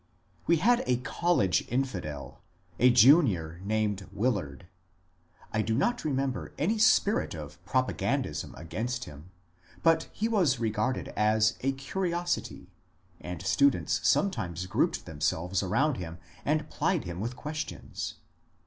We had a college " infidel," — a Junior named Willard. I do not remember any spirit of propagandism about him, but he was regarded as a curiosity, and students sometimes grouped themselves around him and plied him with questions.